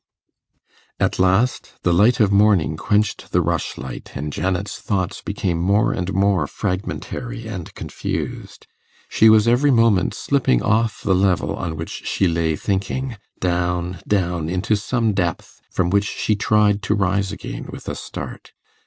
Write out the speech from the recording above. At last, the light of morning quenched the rushlight, and Janet's thoughts became more and more fragmentary and confused. She was every moment slipping off the level on which she lay thinking, down, down into some depth from which she tried to rise again with a start.